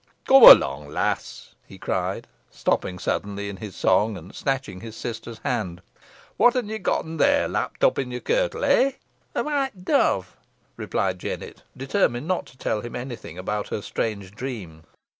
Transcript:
"Cum along, lass," he cried stopping suddenly in his song, and snatching his sister's hand. "What han ye getten there, lapped up i' your kirtle, eh?" "A white dove," replied Jennet, determined not to tell him any thing about her strange dream.